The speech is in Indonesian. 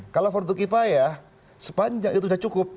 kalau farduqifayah sepanjang itu sudah cukup